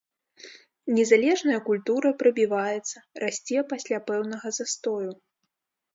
Незалежная культура прабіваецца, расце пасля пэўнага застою.